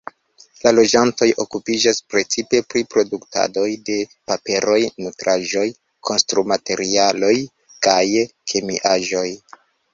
La loĝantoj okupiĝas precipe pri produktadoj de paperoj, nutraĵoj, konstrumaterialoj kaj kemiaĵoj.